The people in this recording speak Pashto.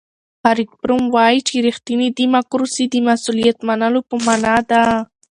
اریک فروم وایي چې ریښتینې دیموکراسي د مسؤلیت منلو په مانا ده.